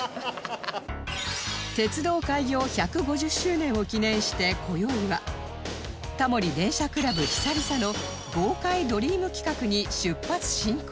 鉄道開業１５０周年を記念して今宵はタモリ電車クラブ久々の東海ドリーム企画に出発進行